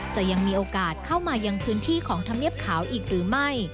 จะยังมีโอกาสเข้ามายังพื้นที่ของธรรมเนียบขาวอีกหรือไม่